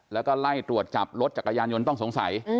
แล้วก็ไล่ตรวจจับรถจักรยานยนต์ต้องสงสัย